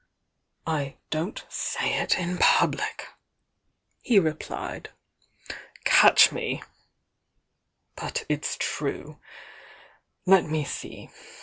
I don't say it in public," he replied. "Catch me! But its true. Let me see!